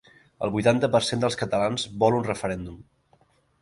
El vuitanta per cent dels catalans vol un referèndum.